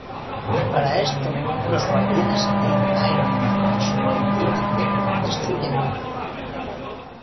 Para esto, los Guardianes e Iron Man, su nuevo integrante, destruyen la nave.